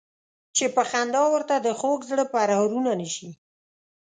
چې په خندا ورته د خوږ زړه پرهارونه نه شي.